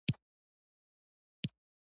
د نجونو تعلیم ودونو ته ځنډ ورکوي.